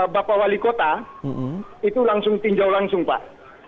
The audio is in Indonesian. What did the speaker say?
bapak wali kota itu langsung tinjau langsung pak